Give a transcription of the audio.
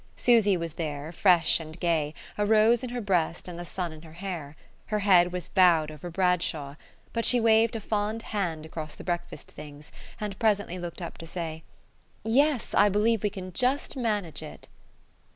Susy was there, fresh and gay, a rose in her breast and the sun in her hair: her head was bowed over Bradshaw, but she waved a fond hand across the breakfast things, and presently looked up to say: "Yes, I believe we can just manage it."